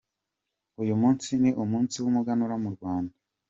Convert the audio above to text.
Uyu munsi ni umunsi w’umuganura mu Rwanda.